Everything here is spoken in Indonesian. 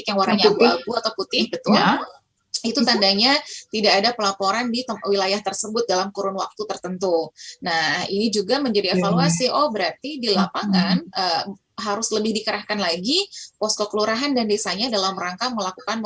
setiap hari kamis dievaluasi diaksenin mana mana yang belum